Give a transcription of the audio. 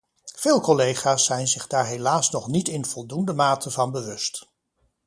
Veel collega's zijn zich daar helaas nog niet in voldoende mate van bewust.